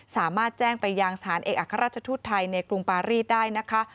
สามารถแจ้งไปยังสถานเอกอัครราชทูตไทยในกรุงปารีสได้นะคะ